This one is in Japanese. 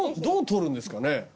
どう撮るんですかね？